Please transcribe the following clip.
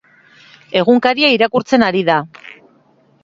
Egunkaria irakurtzen ari da.